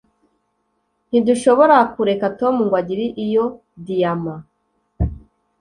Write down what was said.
Ntidushobora kureka Tom ngo agire iyo diyama